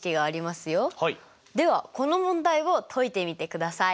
ではこの問題を解いてみてください。